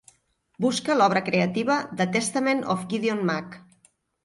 busca l'obra creativa The Testament of Gideon Mack